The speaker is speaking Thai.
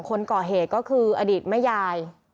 คนก่อเหตุก็คืออดีตแม่ยาย